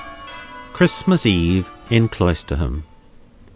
Christmas Eve in Cloisterham.